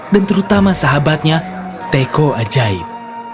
dan terutama sahabatnya teko ajaib